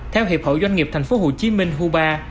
theo hiệp hội doanh nghiệp tp hcm hubar